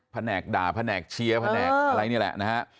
แหนกด่าแผนกเชียร์แผนกอะไรนี่แหละนะฮะ